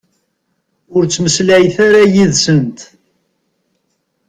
Ur ttmeslayet ara yid-sent.